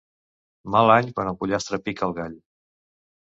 Mal any quan el pollastre pica al gall.